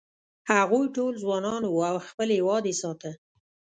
هغوی ټول ځوانان و او خپل هېواد یې ساته.